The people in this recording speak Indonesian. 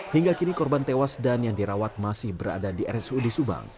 hingga kini korban tewas dan yang dirawat masih berada di rsud subang